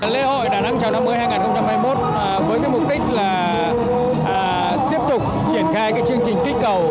lễ hội đà nẵng chào năm mới hai nghìn hai mươi một với mục đích là tiếp tục triển khai chương trình kích cầu